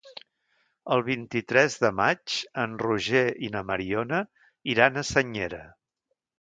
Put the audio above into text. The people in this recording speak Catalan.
El vint-i-tres de maig en Roger i na Mariona iran a Senyera.